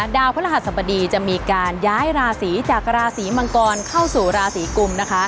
ดาวพระรหัสบดีจะมีการย้ายราศีจากราศีมังกรเข้าสู่ราศีกุมนะคะ